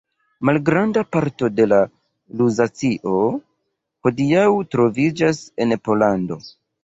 Malgranda parto de Luzacio hodiaŭ troviĝas en Pollando.